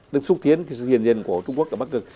được xúc tiến sự hiền diện của trung quốc ở bắt cực